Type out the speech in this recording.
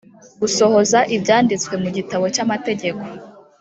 gusohoza ibyanditswe mu gitabo cy amategeko